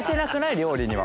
料理には。